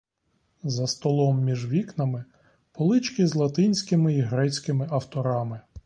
За столом між вікнами полички з латинськими й грецькими авторами.